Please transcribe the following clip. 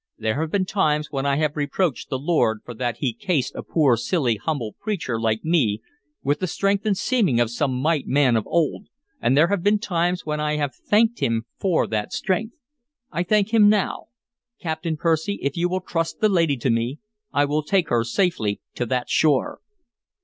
There have been times when I have reproached the Lord for that he cased a poor silly humble preacher like me with the strength and seeming of some might man of old, and there have been times when I have thanked him for that strength. I thank him now. Captain Percy, if you will trust the lady to me, I will take her safely to that shore."